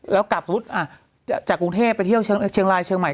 แล้วกลับสมมุติจากกรุงเทพไปเที่ยวเชียงรายเชียงใหม่